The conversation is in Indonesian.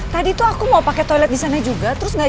nanti kalau papa ketemu michelle sama angga malah gawat